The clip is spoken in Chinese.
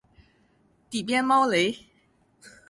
底边猫雷！